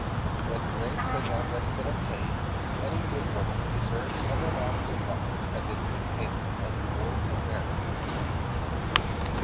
When grace has already been obtained, any good work deserves everlasting life as a due payment and reward for merit.